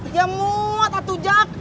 dia muat atu jack